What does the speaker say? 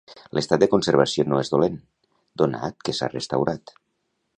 L'estat de conservació no és dolent, donat que s'ha restaurat.